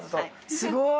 すごい。